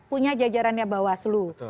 punya jajarannya bawah selu